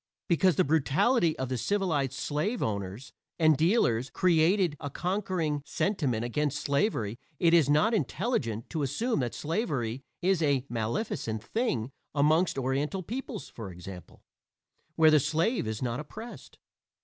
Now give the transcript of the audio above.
Because the brutality of the civilized slave owners and dealers created a conquering sentiment against slavery it is not intelligent to assume that slavery is a maleficent thing amongst Oriental peoples (for example) where the slave is not oppressed.